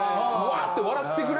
うわ！って